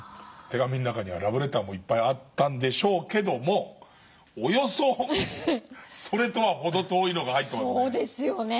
手紙の中にはラブレターもいっぱいあったんでしょうけどもおよそそれとは程遠いのが入ってますよね。